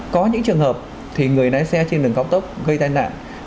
có những trường hợp thì người lái xe trên đường cao tốc gây tai nạn